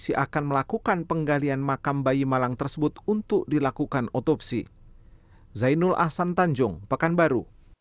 sebelum meninggal m z sempat dirawat di rumah sakit umum daerah arifin ahmad karena sakit